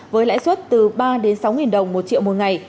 với lãi suất từ ba sáu đồng một triệu mỗi ngày